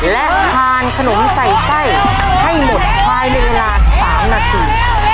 และทานขนมใส่ไส้ให้หมดภายในเวลา๓นาที